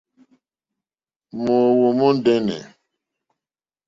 Mòóhwò mòndɛ́nɛ̀.